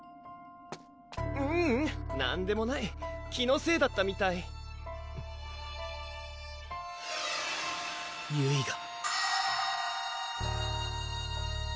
ううん何でもない気のせいだったみたいゆいが！